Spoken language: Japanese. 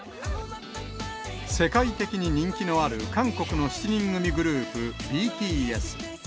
世界的に人気のある韓国の７人組グループ、ＢＴＳ。